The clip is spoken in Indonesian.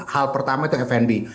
hal pertama itu fnb